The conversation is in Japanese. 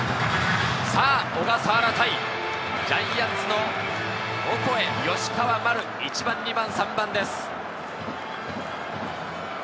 さぁ小笠原対ジャイアンツのオコエ、吉川、丸、１番・２番・３番です。